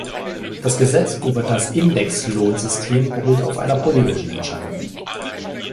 Das Gesetz über das Indexlohn-System beruht auf einer politischen Entscheidung.